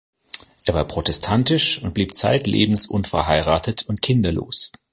Er war protestantisch und blieb zeitlebens unverheiratet und kinderlos.